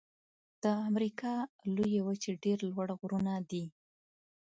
د امریکا لویې وچې ډېر لوړ غرونه دي.